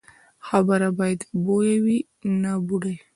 خبره باید بویه وي، نه بوډۍ.